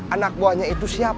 anak buahnya itu siapa